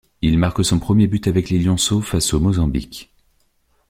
Il marque son premier but avec les lionceaux face au Mozambique.